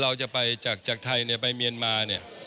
เราจะไปจากไทยไปเมียนมา